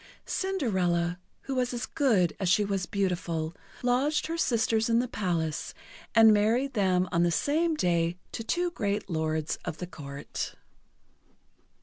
Cinderella, who was as good as she was beautiful, lodged her sisters in the palace, and married them on the same day to two great lords of the Court.